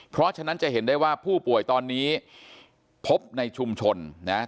เพราะฉะนั้นจะเห็นได้ว่าผู้ป่วยตอนนี้พบในชุมชนนะ